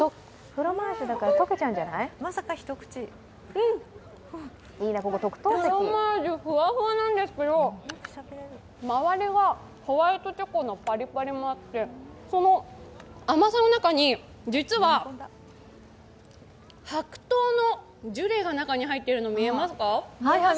うんっ、フロマージュふわふわなんですけど周りがホワイトチョコのパリパリもあって、その甘さの中に、実は白桃のジュレが中に入っているの、見えますか？